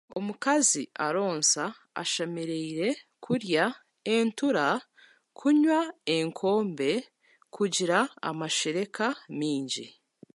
Omukazi aronsa ashemereire kurya entura, kunywa enkombe kugira amashereka maingi